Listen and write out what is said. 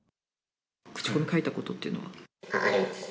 口コミ書いたことっていうのあります。